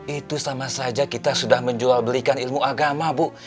itu sama saja kita sudah menjual belikan ilmu agama bu